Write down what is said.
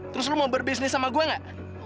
terus lu mau berbisnis sama gua nggak